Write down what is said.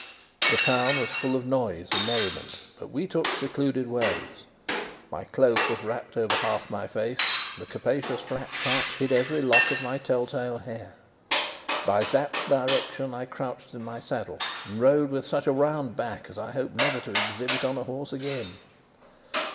The town was full of noise and merriment, but we took secluded ways. My cloak was wrapped over half my face; the capacious flat cap hid every lock of my tell tale hair. By Sapt's directions, I crouched on my saddle, and rode with such a round back as I hope never to exhibit on a horse again.